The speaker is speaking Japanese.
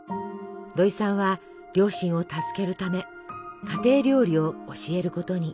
土井さんは両親を助けるため家庭料理を教えることに。